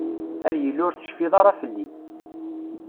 Ad yili ur tecfiḍ ara fell-i.